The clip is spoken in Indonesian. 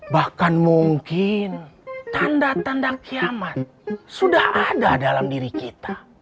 bahkan mungkin tanda tanda kiaman sudah ada dalam diri kita